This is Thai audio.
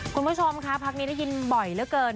คุณผู้ชมค่ะพักนี้ได้ยินบ่อยเหลือเกิน